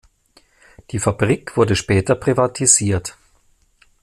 Die Fabrik wurde später privatisiert.